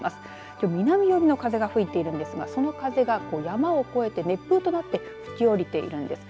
きょうは南よりの風が吹いているんですがその風が山を越えて熱風となって吹き降りているんです。